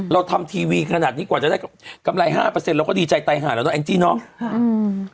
เราทำทีวีขนาดนี้กว่าจะได้กำไร๕เราก็ดีใจไตหาเหรอเนอะแอนจิเนาะ